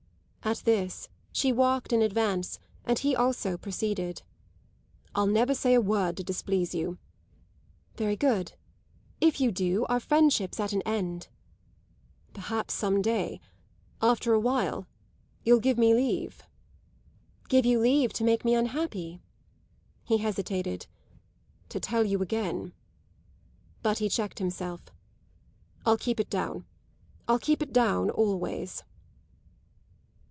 At this she walked in advance and he also proceeded. "I'll never say a word to displease you." "Very good. If you do, our friendship's at an end." "Perhaps some day after a while you'll give me leave." "Give you leave to make me unhappy?" He hesitated. "To tell you again " But he checked himself. "I'll keep it down. I'll keep it down always."